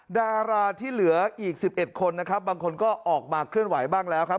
ดาราที่เหลืออีก๑๑คนนะครับบางคนก็ออกมาเคลื่อนไหวบ้างแล้วครับ